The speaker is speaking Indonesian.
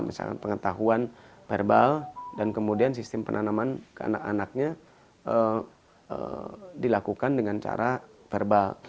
misalkan pengetahuan verbal dan kemudian sistem penanaman ke anak anaknya dilakukan dengan cara verbal